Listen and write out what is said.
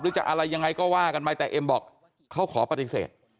จะอะไรยังไงก็ว่ากันไปแต่เอ็มบอกเขาขอปฏิเสธ